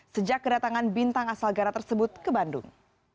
sejak kedatangan bintang asal gara tersebut ke bandung